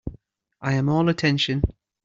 I am all attention.